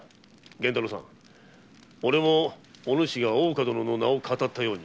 源太郎さん俺もお主が大岡殿の名を騙ったように。